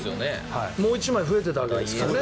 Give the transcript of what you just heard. もう１枚増えていたわけですからね